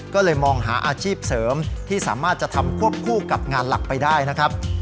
ก็เลยมองหาอาชีพเสริมที่สามารถจะทำควบคู่กับงานหลักไปได้นะครับ